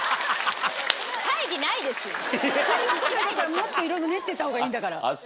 もっといろいろ練ってった方がいいんだから。